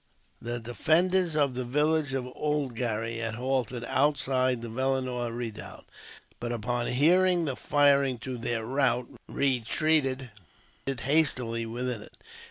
The defenders of the village of Oulgarry had halted outside the Vellenore redoubt; but, upon hearing the firing to their right, retreated hastily within it.